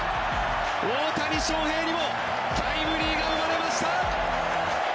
大谷翔平にもタイムリーが生まれました。